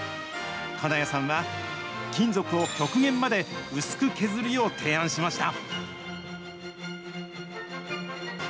金谷さんは金属を極限まで薄く削るよう提案しました。